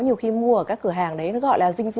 nhiều khi mua ở các cửa hàng đấy